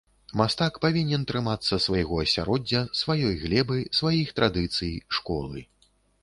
Мастак павінен трымацца свайго асяроддзя, сваёй глебы, сваіх традыцый, школы.